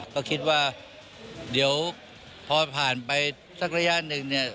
ก็คิดว่าเดี๋ยวพอผ่านไปสักระยะหนึ่งเนี่ย